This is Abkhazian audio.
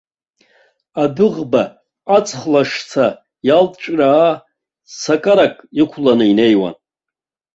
Адәыӷба аҵх лашьца иалҵәраа сакарак иқәланы инеиуан.